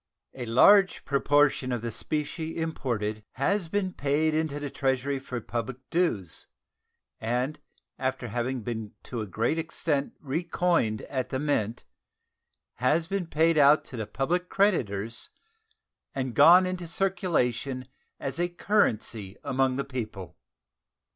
A large proportion of the specie imported has been paid into the Treasury for public dues, and after having been to a great extent recoined at the Mint has been paid out to the public creditors and gone into circulation as a currency among the people.